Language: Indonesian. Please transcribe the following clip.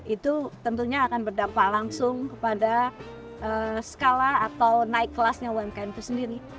itu tentunya akan berdampak langsung kepada skala atau naik kelasnya umkm itu sendiri